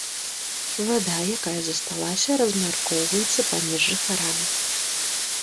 Вада, якая засталася, размяркоўваецца паміж жыхарамі.